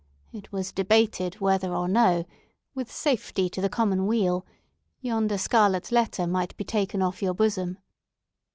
It was debated whether or no, with safety to the commonweal, yonder scarlet letter might be taken off your bosom.